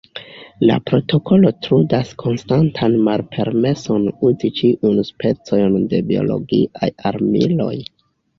La protokolo trudas konstantan malpermeson uzi ĉiujn specojn de biologiaj armiloj.